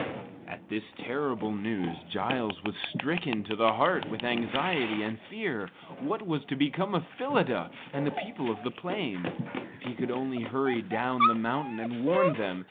At this terrible news, Giles was stricken to the heart with anxiety and fear. What was to become of Phyllida and the people of the plain? If he could only hurry down the mountain and warn them!